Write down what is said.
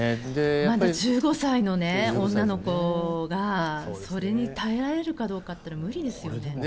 まだ１５歳の女の子がそれに耐えられるかどうかといったら、無理ですよね。